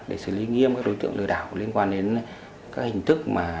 để xử lý nghiêm các đối tượng lừa đảo liên quan đến các hình thức